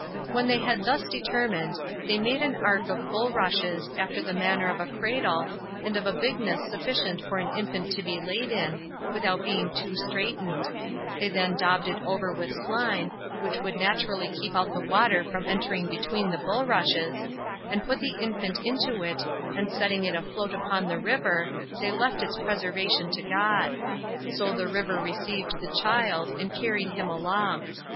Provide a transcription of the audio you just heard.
When they had thus determined, they made an ark of bulrushes, after the manner of a cradle, and of a bigness sufficient for an infant to be laid in, without being too straitened: they then daubed it over with slime, which would naturally keep out the water from entering between the bulrushes, and put the infant into it, and setting it afloat upon the river, they left its preservation to God; so the river received the child, and carried him along.